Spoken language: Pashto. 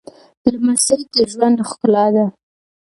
لمسی د ژوند ښکلا ده